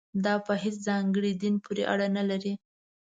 دا په هېڅ ځانګړي دین پورې اړه نه لري.